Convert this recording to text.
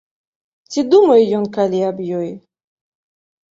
Ці думае ён калі аб ёй?